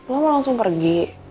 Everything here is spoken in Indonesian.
lo mau langsung pergi